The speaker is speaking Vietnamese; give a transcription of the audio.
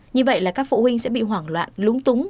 như vậy là các phụ huynh sẽ bị hoảng loạn lúng túng